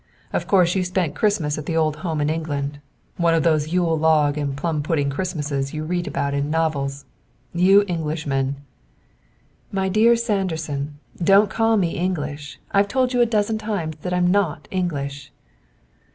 Of course you spent Christmas at the old home in England one of those yule log and plum pudding Christmases you read of in novels. You Englishmen " "My dear Sanderson, don't call me English! I've told you a dozen times that I'm not English."